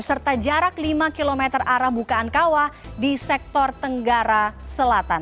serta jarak lima km arah bukaan kawah di sektor tenggara selatan